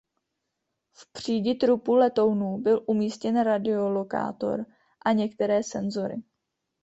V přídi trupu letounu byl umístěn radiolokátor a některé senzory.